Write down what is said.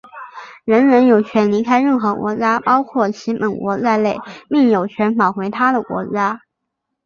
人人有权离开任何国家,包括其本国在内,并有权返回他的国家。